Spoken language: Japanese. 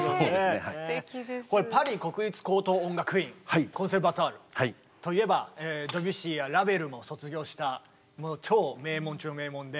これパリ国立高等音楽院コンセルヴァトワールといえばドビュッシーやラヴェルも卒業した超名門中の名門で。